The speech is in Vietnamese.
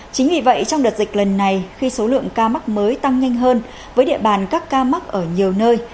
chính vì vậy trong đợt dịch lần này khi số lượng ca mắc mới tăng nhanh hơn với địa bàn các ca mắc ở nhiều nơi